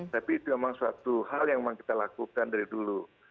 tapi itu memang suatu hal yang memang kita lakukan dari dulu